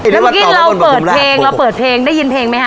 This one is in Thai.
แล้วเมื่อกี้เราเปิดเพลงเราเปิดเพลงได้ยินเพลงไหมค